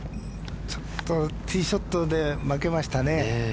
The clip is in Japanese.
ちょっとティーショットで負けましたね。